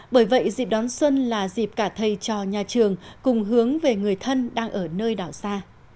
bởi vậy dịp đón xuân là dịp cả thầy trò nhà trường cùng hướng về người thân đang ở nơi đảo xa